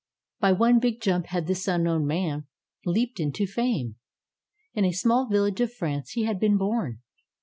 By one big jump had this unknown man leaped into fame. In a small village of France he had been born.